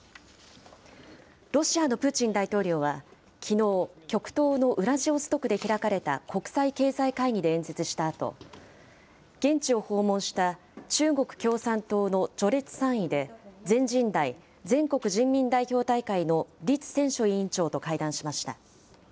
ロシアのプーチン大統領は、きのう、極東のウラジオストクで開かれた国際経済会議で演説したあと、現地を訪問した中国共産党の序列３位で、全人代・全国人民代表大会の栗戦書委員長と会談しました。